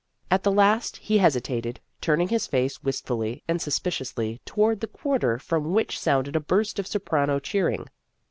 At the last he hesitated, turning his face wistfully and suspi ciously toward the quarter from which sounded a burst of soprano cheering.